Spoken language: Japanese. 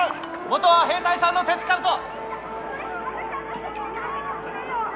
元は兵隊さんの鉄かぶと。